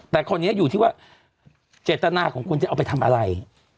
แต่คนนี้อยู่ที่ว่าเจตนาของคนจะเอาไปทำอะไร